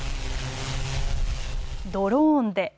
ドローンで。